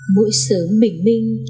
mỗi sớm bình minh